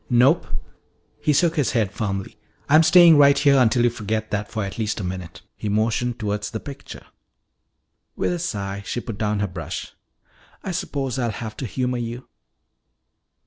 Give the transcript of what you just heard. "Nope!" He shook his head firmly. "I'm staying right here until you forget that for at least a minute." He motioned toward the picture. With a sigh she put down her brush. "I suppose I'll have to humor you."